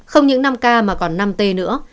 không những năm k mà còn năm t nữa